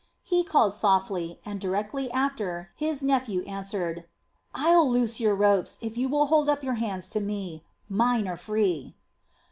He called softly, and directly after his nephew whispered: "I'll loose your ropes, if you will hold up your hands to me. Mine are free!"